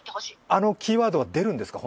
あのキーワードは出るんですか？